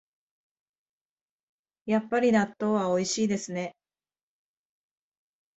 やっぱり納豆はおいしいですね